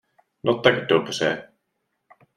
No tak dobře...